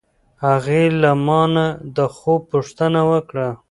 هغې له ما نه د خوب پوښتنه وکړه.